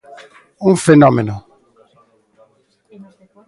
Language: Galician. Un fenómeno.